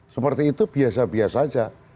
seperti itu biasa biasa saja